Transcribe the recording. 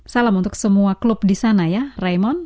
salam untuk semua klub di sana ya raymond